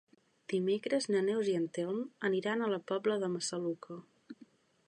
Dimecres na Neus i en Telm aniran a la Pobla de Massaluca.